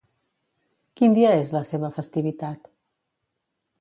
Quin dia és la seva festivitat?